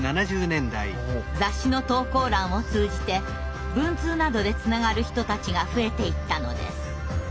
雑誌の投稿欄を通じて文通などでつながる人たちが増えていったのです。